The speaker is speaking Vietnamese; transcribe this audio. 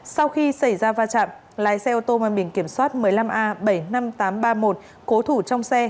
sau khi xảy ra va chạm lái xe ô tô mang biển kiểm soát một mươi năm a bảy mươi năm nghìn tám trăm ba mươi một cố thủ trong xe